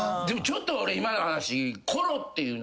でもちょっと俺今の話。